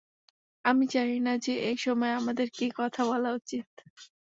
আমি জানি না যে এই সময় আমাদের কী কথা বলা উচিত।